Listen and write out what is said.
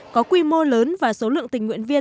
có quy mô lớn và số lượng tình nguyện viên